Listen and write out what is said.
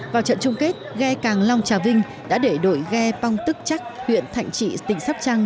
vào trận chung kết gây càng long trà vinh đã để đội gây bong tức chắc huyện thạnh trị tỉnh sóc trăng